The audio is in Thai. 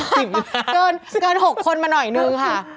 ๑๐๕คักเกิน๖คนมาหน่อยนึงค่ะ